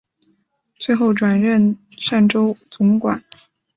最后转任澶州总管。